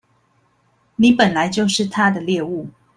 你本來就是他的獵物